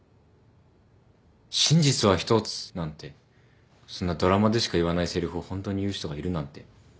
「真実は１つ」なんてそんなドラマでしか言わないせりふをホントに言う人がいるなんて。